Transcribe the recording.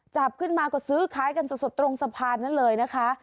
จับขึ้นมาก็ซื้อขายกันสดตรงสะพานนั้นเลยนะคะ